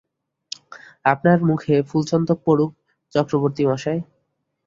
আপনার মুখে ফুলচন্দন পড়ুক চক্রবর্তীমশায়।